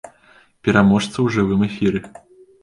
Пераможца ў жывым эфіры!